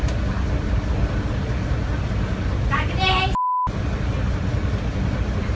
ก็ไม่มีเวลาให้กลับมาที่นี่